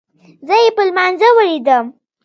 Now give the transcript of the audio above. زه يې په لمانځه وليدم.